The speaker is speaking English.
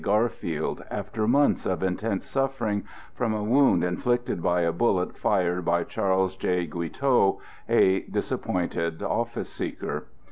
Garfield, after months of intense suffering from a wound inflicted by a bullet fired by Charles J. Guiteau, a disappointed office seeker.